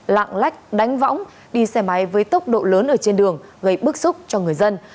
lạng lách đánh võng đi xe máy với tốc độ lớn ở trên đường gây bức xúc cho người dân